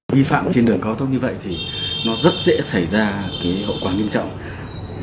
ghi phạm trên đường cao tốc như vậy thì nó rất dễ xảy ra hậu quả nghiêm trọng